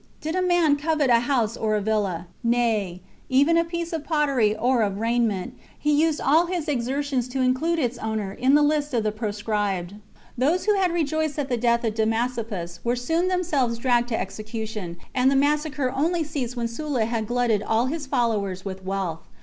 Did a man covet a house or villa, nay, even a piece of pottery or of raiment, he used all his exertions to include its owner in the list of the pro scribed. Those who had rejoiced at the death of 48 THE CONSPIRACY OF CATILINE. CHAP. Damasippus were soon themselves dragged to ex^u tion, and the massacre only ceased when Sulla had glutted all his followers with wealth.